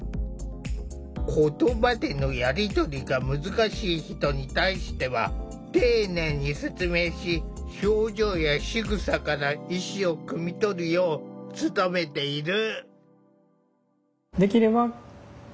言葉でのやり取りが難しい人に対しては丁寧に説明し表情やしぐさから意思をくみ取るよう努めている。